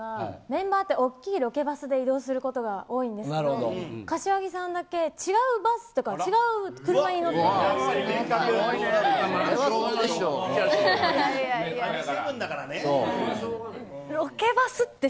メンバーは大きいロケバスで移動することが多いんですけど柏木さんだけ違うバスっていうか車に乗っていて。